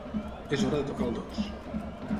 És hora de tocar el dos.